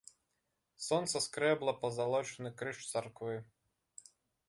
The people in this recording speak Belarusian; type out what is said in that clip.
Сонца скрэбла пазалочаны крыж царквы.